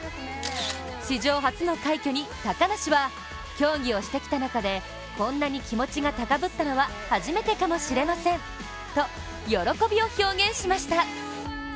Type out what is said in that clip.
史上初の快挙に高梨は競技をしてきた中でこんなに気持ちが高ぶったのは初めてかもしれませんと、喜びを表現しました。